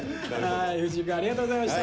藤井くんありがとうございました！